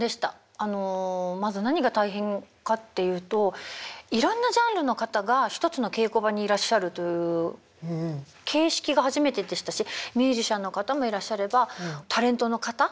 あのまず何が大変かっていうといろんなジャンルの方が１つの稽古場にいらっしゃるという形式が初めてでしたしミュージシャンの方もいらっしゃればタレントの方？